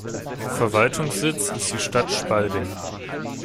Verwaltungssitz ist die Stadt Spalding.